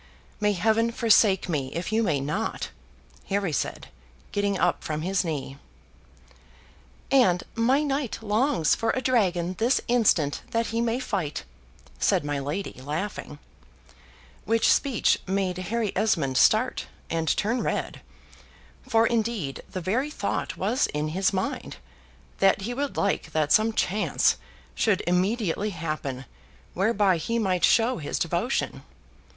"May heaven forsake me if you may not!" Harry said, getting up from his knee. "And my knight longs for a dragon this instant that he may fight," said my lady, laughing; which speech made Harry Esmond start, and turn red; for indeed the very thought was in his mind, that he would like that some chance should immediately happen whereby he might show his devotion.